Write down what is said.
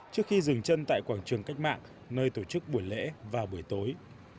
trước khi dừng chân tại quảng trường cách mạng nơi tổ chức buổi lễ vào buổi tối